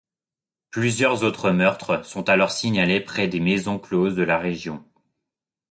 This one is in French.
Plusieurs autres meurtres sont alors signalés près des maisons closes de la région.